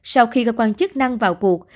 sau khi các quan chức năng vào cuộc